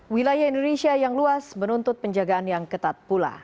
wilayah indonesia yang luas menuntut penjagaan yang ketat pula